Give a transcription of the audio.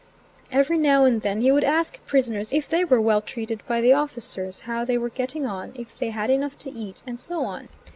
Every now and then he would ask prisoners if they were well treated by the officers; how they were getting on; if they had enough to eat, and so on.